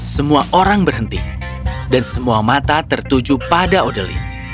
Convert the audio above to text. semua orang berhenti dan semua mata tertuju pada odeli